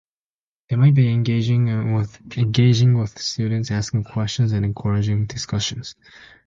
They might be engaging with students, asking questions and encouraging discussions.